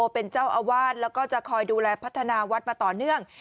เป็นเจ้าอาวาสแล้วก็จะคอยดูแลพัฒนาวัดมาต่อเนื่อง